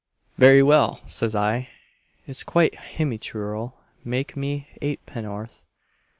'Very well,' says I, 'it's quite himmyterul; make me eightpenn'orth.'